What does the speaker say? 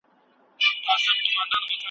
د الیکټرولیټ انډول د پښتورګو له دندو دی.